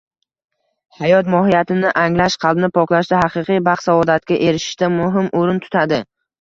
Hayot mohiyatini anglash qalbni poklashda, haqiqiy baxt-saodatga erishishda muhim o‘rin tutadi.